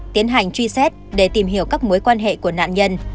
tiến hành truy xét để tìm hiểu các mối quan hệ của nạn nhân